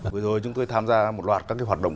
vừa rồi chúng tôi tham gia một loạt các hoạt động